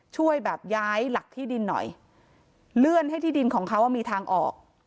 ช่วยแบบย้ายหลักที่ดินหน่อยเลื่อนให้ที่ดินของเขามีทางออก